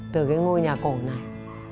từ cái ngôi nhà cổ này